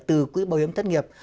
từ quỹ bảo hiểm thất nghiệp